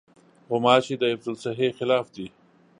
غوماشې د حفظالصحې خلاف دي.